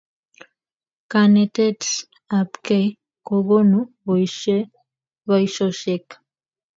Kanetet ab kei kokonu boishoshek